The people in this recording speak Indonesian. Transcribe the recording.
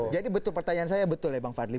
jadi betul pertanyaan saya betul ya bang fadlid